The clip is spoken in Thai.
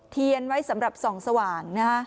เทียนไว้สำหรับส่องสว่างนะฮะ